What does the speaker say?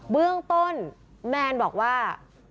เบื้องต้นแมนบอกว่า